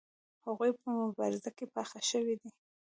هغوی په مبارزه کې پاخه شوي دي.